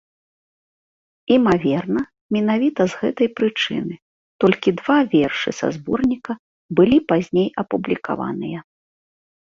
Імаверна, менавіта з гэтай прычыны толькі два вершы са зборніка былі пазней апублікаваныя.